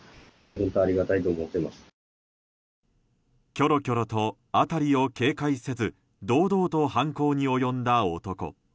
きょろきょろと辺りを警戒せず堂々と犯行に及んだ男。